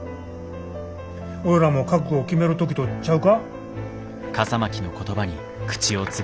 俺らも覚悟を決める時とちゃうか。